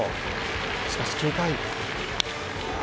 しかし、９回。